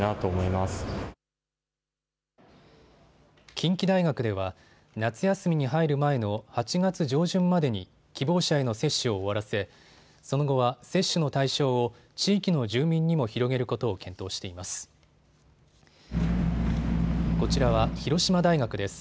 近畿大学では夏休みに入る前の８月上旬までに希望者への接種を終わらせその後は接種の対象を地域の住民にも広げることを検討しています。